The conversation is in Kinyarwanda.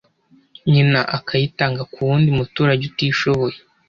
nyina akayitanga ku wundi muturage utishoboye